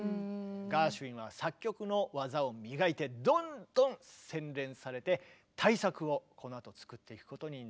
ガーシュウィンは作曲の技を磨いてどんどん洗練されて大作をこのあと作っていくことになります。